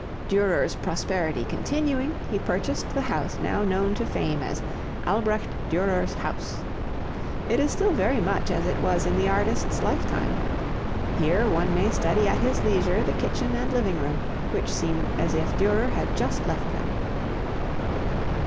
Durer's prosperity continuing, he purchased the house now known to fame as "Albrecht Durer's House." It is still very much as it was in the artist's lifetime. Here one may study at his leisure the kitchen and living room which seem as if Durer had just left them.